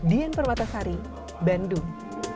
dian permatasari bandung